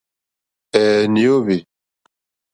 Ɛ̄ɛ̄, nè óhwì.